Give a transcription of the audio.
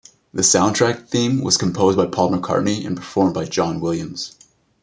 The soundtrack theme was composed by Paul McCartney and performed by John Williams.